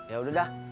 ya udah dah